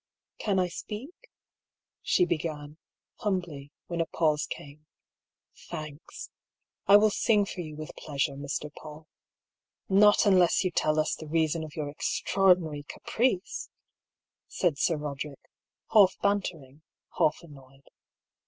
"Can I speak?" she began, humbly, when a pause came. "Thanks! I will sing for you with pleasure, Mr. Paull." " Not unless you tell us the reason of your extraordi nary caprice," said Sir Boderick, half bantering, half annoyed.